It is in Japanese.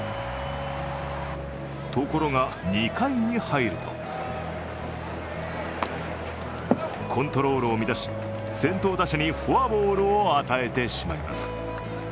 ところが、２回に入るとコントロールを見出し、先頭打者にフォアボールを与えてしまいます。